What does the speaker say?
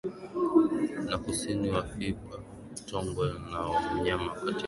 Na kusini wafipa tongwe na manyema katika mkoa wa tabora